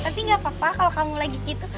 tapi gak apa apa kalau kamu lagi gitu